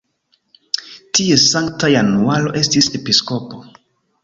Tie Sankta Januaro estis episkopo.